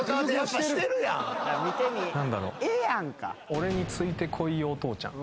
俺についてこいお父ちゃん。